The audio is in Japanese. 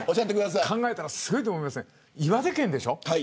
考えたらすごいと思いませんか岩手県でしょ。